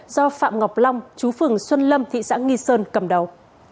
do phạm ngọc long chú phường xuân lâm thị xã nghi sơn cầm đầu